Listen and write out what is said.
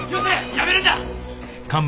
やめるんだ！